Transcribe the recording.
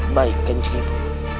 baik kancing ibu